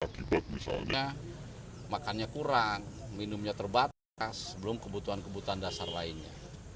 misalnya makannya kurang minumnya terbatas sebelum kebutuhan kebutuhan dasar lainnya